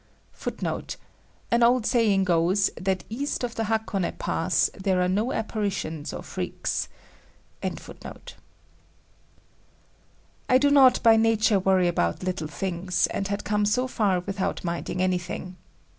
[Footnote 7: An old saying goes that east of the Hakone pass, there are no apparitions or freaks.] I do not by nature worry about little things, and had come so far without minding anything.